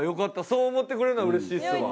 そう思ってくれるのは嬉しいっすわ。